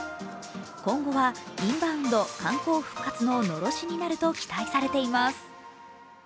今後はインバウンド観光復活ののろしになると期待されています。